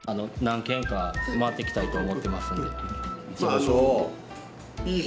行きましょう。